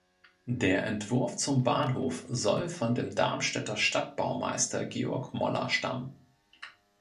Der Entwurf zum Bahnhof soll von dem Darmstädter Stadtbaumeister Georg Moller stammen.